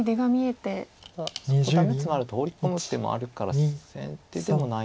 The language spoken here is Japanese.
ただそこダメツマるとホウリ込む手もあるから先手でもない。